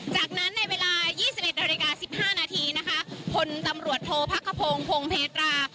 จากนั้นในเวลา๒๑นาฬิกา๑๕นาทีนะคะพลตำรวจโทษพักขพงศ์พงเพตรา